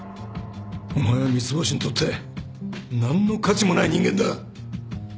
お前は三ツ星にとって何の価値もない人間だ